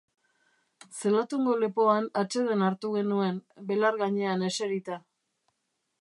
Zelatungo lepoan atseden hartu genuen, belar gainean eserita.